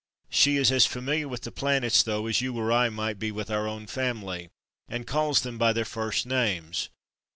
She is as familiar with planets though as you or I might be with our own family, and calls them by their first names.